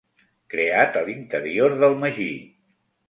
Creat a l'interior del magí.